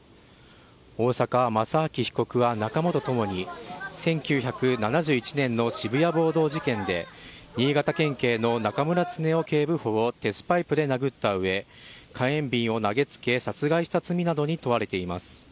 大坂正明被告は仲間とともに、１９７１年の渋谷暴動事件で、新潟県警の中村恒雄警部補を鉄パイプで殴ったうえ、火炎瓶を投げつけ、殺害した罪などに問われています。